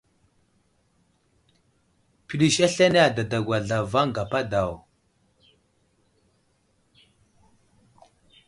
Pəlis aslane adadagwa zlavaŋ gapa daw.